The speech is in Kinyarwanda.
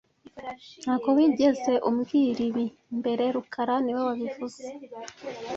Ntabwo wigeze umbwira ibi mbere rukara niwe wabivuze